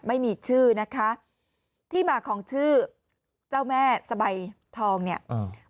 ไม่มีชื่อนะคะที่มาของชื่อเจ้าแม่สะใบทองเนี่ยอืม